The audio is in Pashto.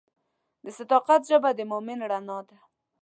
د صداقت ژبه د مؤمن رڼا ده.